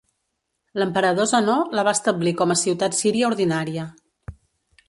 L'emperador Zenó la va establir com a ciutat síria ordinària.